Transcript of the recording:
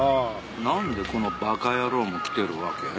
なんでこのバカ野郎も来てるわけ？